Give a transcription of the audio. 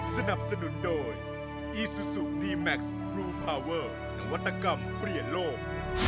สนับสนุนโดยอีซูซูดีแม็กซ์บลูพาเวอร์นวัตกรรมเปลี่ยนโลก